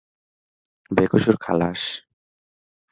বেকসুর খালাস।